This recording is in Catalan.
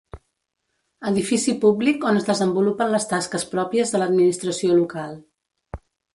Edifici públic on es desenvolupen les tasques pròpies de l'administració local.